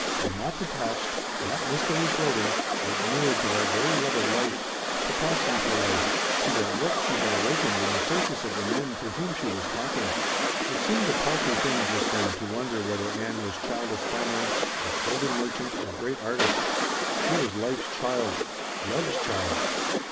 And not detached, not mistily floating, but moored to that very love of life, capacity for life, to that look she had awakened in the faces of the men to whom she was talking. It seemed a paltry thing just then to wonder whether Ann was child of farmer, or clothing merchant, or great artist. She was Life's child. Love's child.